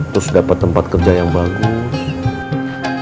terus dapat tempat kerja yang bagus